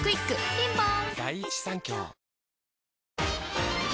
ピンポーン